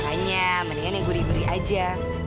hanya mendingan yang gurih gurih aja